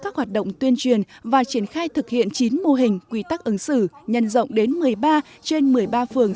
các hoạt động tuyên truyền và triển khai thực hiện chín mô hình quy tắc ứng xử nhân rộng đến một mươi ba trên một mươi ba phường